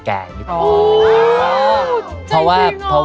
ฝีกรรมงานมั้ย